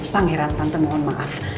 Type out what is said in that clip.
pangeran tante mohon maaf